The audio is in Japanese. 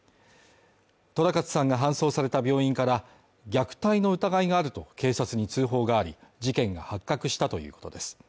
寅勝さんが搬送された病院から虐待の疑いがあると警察に通報があり事件が発覚したということです。